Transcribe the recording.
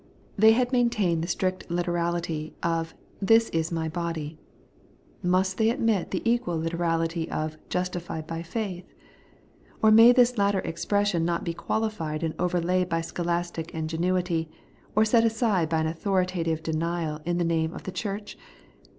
They had maintained the strict literality of ' This is my body ;' must they admit the equal literality of ' justified by faith '? Or may this latter expression not be qualified and overlaid by scholastic ingenuity, or set aside by an authoritative denial in the name of the Church